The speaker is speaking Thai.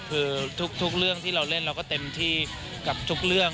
คือทุกเรื่องที่เราเล่นเราก็เต็มที่กับทุกเรื่อง